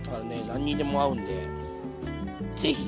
何にでも合うんで是非。